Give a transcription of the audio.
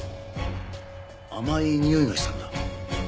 甘いにおいがしたんだ。